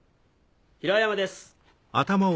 平山です。